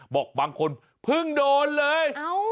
บอกบางคนผึ้งโดนเลย